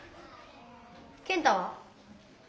健太は？